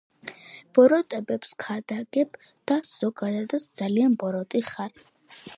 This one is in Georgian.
ბოროტებებს ქადაგებ და ზოგადადაც ძალიან ბოროტი ხარ!